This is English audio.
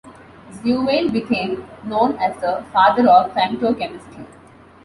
Zewail became known as the "father of femtochemistry".